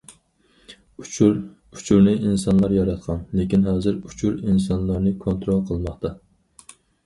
ئۇچۇرنى ئىنسانلار ياراتقان، لېكىن ھازىر ئۇچۇر ئىنسانلارنى كونترول قىلماقتا.